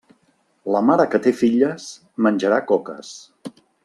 La mare que té filles menjarà coques.